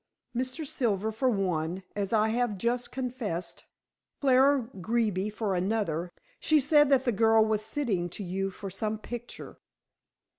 "Mr. Silver, for one, as I have just confessed. Clara Greeby for another. She said that the girl was sitting to you for some picture."